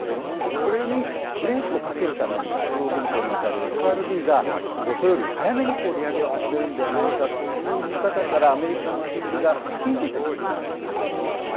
これにブレーキをかけるために中央銀行に当たるＦＲＢが、予想より早めに利上げを始めるんではないかという見方からアメリカの金利が先んじてじりじり上昇したと。